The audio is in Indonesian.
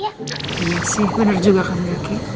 iya sih bener juga kan mbak kiki